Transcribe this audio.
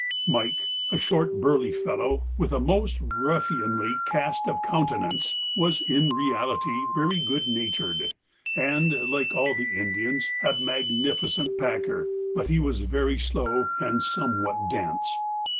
Mike, a short burly fellow, with a most ruffianly cast of countenance, was in reality very good natured, and, like all the Indians, a magnificent packer; but he was very slow and somewhat dense.